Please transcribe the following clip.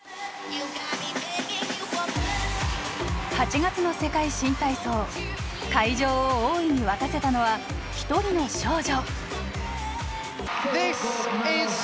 ８月の世界新体操会場を大いに沸かせたのは一人の少女。